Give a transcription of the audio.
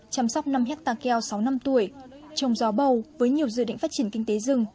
chăm sóc năm hectare keo sáu năm tuổi trồng gió bầu với nhiều dự định phát triển kinh tế rừng